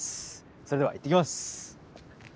それではいってきます。